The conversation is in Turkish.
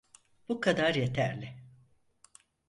Bu kadar yeterli.